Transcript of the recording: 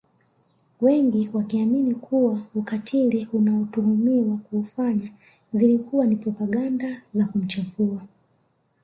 Wengi wakiamini kuwa ukatili anaotuhumiwa kuufanya zilikuwa ni propaganda za kumchafua